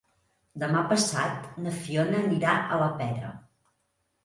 Demà passat na Fiona anirà a la Pera.